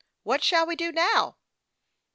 What shall we do now ?